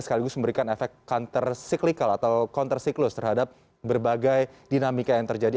sekaligus memberikan efek counter cyclical atau counter siklus terhadap berbagai dinamika yang terjadi